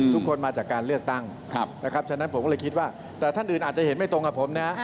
ทุกคนมาจากการเลือกตั้งนะครับฉะนั้นผมก็เลยคิดว่าแต่ท่านอื่นอาจจะเห็นไม่ตรงกับผมนะ